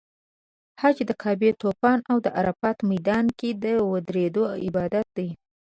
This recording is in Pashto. حج د کعبې طواف او د عرفات میدان کې د ودریدو عبادت دی.